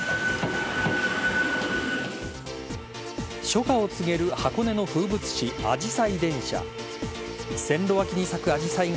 初夏を告げる箱根の風物詩あじさい